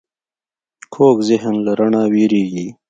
کوږ ذهن له رڼا وېرېږي